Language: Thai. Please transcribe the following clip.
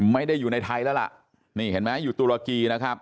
ไม่ได้อยู่ในไทยแล้วล่ะนี่เห็นไหมอยู่ตุรกีนะครับ